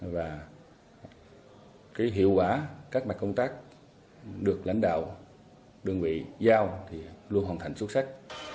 và hiệu quả các mặt công tác được lãnh đạo đơn vị giao luôn hoàn thành xuất sắc